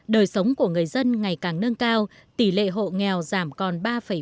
đời sống của người dân ngày càng nâng cao tỷ lệ hộ nghèo giảm còn ba năm